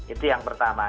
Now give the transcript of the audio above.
itu yang pertama